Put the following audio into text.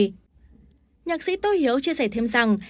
nhạc sĩ tô hiếu chia sẻ thêm rằng